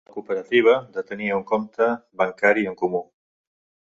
La cooperativa detenia un compte bancari en comú.